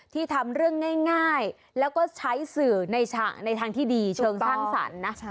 ทำเรื่องง่ายแล้วก็ใช้สื่อในทางที่ดีเชิงสร้างสรรค์นะ